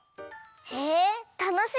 へえたのしみ！